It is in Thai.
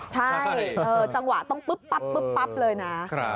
ใช่จังหวะต้องปึ๊บปั๊บปึ๊บปั๊บเลยนะ